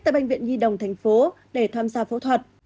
tại bệnh viện nguy đồng tp hcm để tham gia phẫu thuật